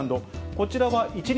こちらは１日